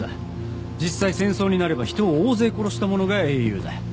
実際戦争になれば人を大勢殺した者が英雄だ。